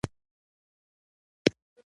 یوه شېبه دي له یادونوپه قرارنه شومه